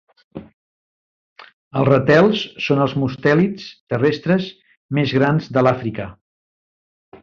Els ratels són els mustèlids terrestres més grans de l'Àfrica.